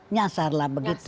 nyasar lah begitu